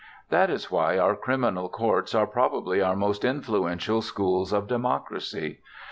That is why our criminal courts are probably our most influential schools of democracy.